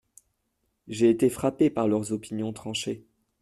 J’ai été frappé par leurs opinions tranchées.